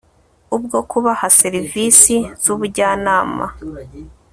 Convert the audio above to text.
ubwo kubaha serivisi z ubujyanama